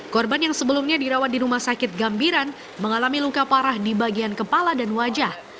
korban yang sebelumnya dirawat di rumah sakit gambiran mengalami luka parah di bagian kepala dan wajah